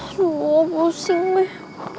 aduh busing deh